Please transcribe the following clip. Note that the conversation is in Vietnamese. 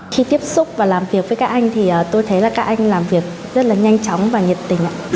khi tiếp xúc và làm việc với các anh thì tôi thấy là các anh làm việc rất là nhanh chóng và nhiệt tình